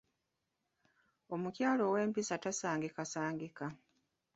Omukyala ow'empisa tasangikasangika.